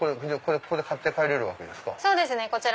ここで買って帰れるわけですか？